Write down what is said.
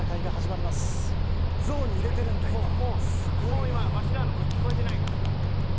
もう今ワシらの声聞こえてないからな。